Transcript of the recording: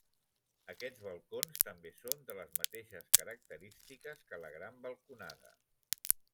Aquests balcons també són de les mateixes característiques que la gran balconada.